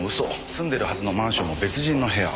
住んでるはずのマンションも別人の部屋。